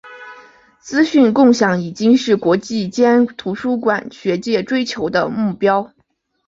资讯共享已经是国际间图书馆学界追求的目标。